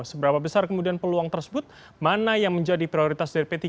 seberapa besar kemudian peluang tersebut mana yang menjadi prioritas dari p tiga